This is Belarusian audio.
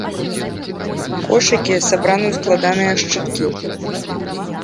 Кошыкі сабраны ў складаныя шчыткі.